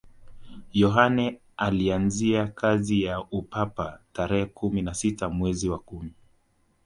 yohane alianzia kazi ya upapa tarehe kumi na sita mwezi wa kumi